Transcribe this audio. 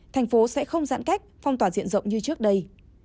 thành phố sẽ không giãn cách phong tỏa diện rộng như trước đây